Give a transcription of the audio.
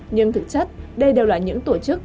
nhưng thực chất đây đều là những tổ chức